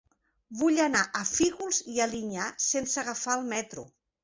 Vull anar a Fígols i Alinyà sense agafar el metro.